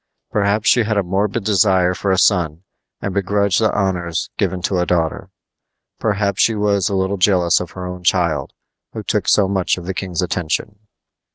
Perhaps she had a morbid desire for a son and begrudged the honors given to a daughter. Perhaps she was a little jealous of her own child, who took so much of the king's attention.